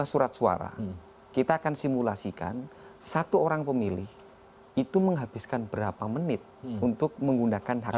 lima surat suara kita akan simulasikan satu orang pemilih itu menghabiskan berapa menit untuk menggunakan hak pilih